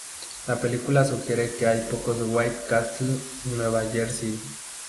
La película sugiere que hay pocos White Castles en Nueva Jersey.